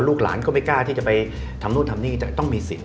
หลานก็ไม่กล้าที่จะไปทำนู่นทำนี่แต่ต้องมีสิทธิ